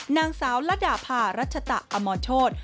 นางสาวละดาภารัชตะอมรโชธ